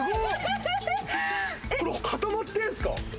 これ固まってんすか？